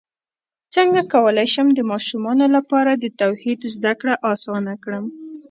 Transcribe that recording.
څنګه کولی شم د ماشومانو لپاره د توحید زدکړه اسانه کړم